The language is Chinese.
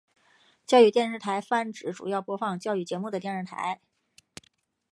教育电视台泛指主要播放教育节目的电视台。